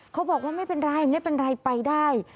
เขาบอกว่าไม่เป็นไรไม่เป็นไรไปได้